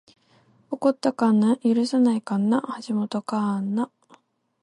起こった神無許さない神無橋本神無